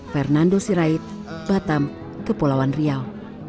fernando sirait batam kepulauan riau